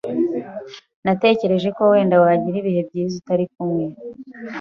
Natekereje ko wenda wagira ibihe byiza utari kumwe.